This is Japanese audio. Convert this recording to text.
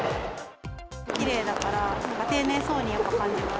きれいだから、丁寧そうにやっぱ感じます。